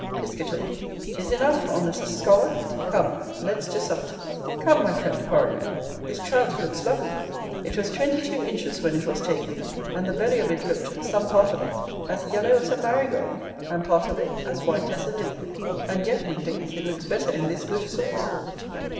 Piscator. 'Tis enough, honest scholar! come, let's to supper. Come, my friend Coridon, this Trout looks lovely; it was twenty two inches when it was taken; and the belly of it looked, some part of it, as yellow as a marigold, and part of it as white as a lily; and yet, methinks, it looks better in this good sauce.